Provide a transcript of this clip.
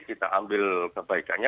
kita ambil kebaikannya